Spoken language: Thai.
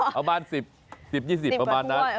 ประมาณ๑๐๑๐๒๐ประมาณนั้น